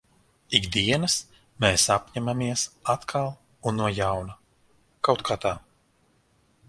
Ik dienas mēs apņemamies atkal un no jauna. Kaut kā tā.